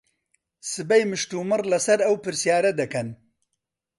سبەی مشتومڕ لەسەر ئەو پرسیارە دەکەن.